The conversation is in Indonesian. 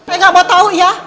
eh gak mau tau ya